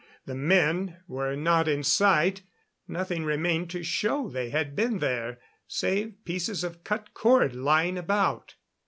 The men were not in sight; nothing remained to show they had been there, save pieces of cut cord lying about.